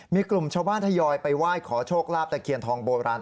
มีกลุ่มชาวบ้านทยอยไปไหว้ขอโชคลาภตะเคียนทองโบราณ